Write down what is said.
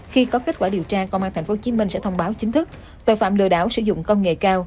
khi có kết quả điều tra công an tp hcm sẽ thông báo chính thức tội phạm lừa đảo sử dụng công nghệ cao